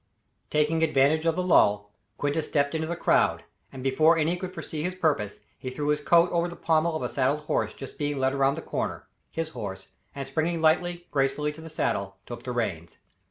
Taking advantage of the lull, Quintus stepped into the crowd, and before any could foresee his purpose, he threw his coat over the pommel of a saddled horse just being led around the corner his horse and springing lightly, gracefully to the saddle took the reins.